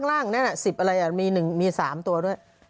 คล้าง๑๐อะไรอะมี๓ตัวด้วย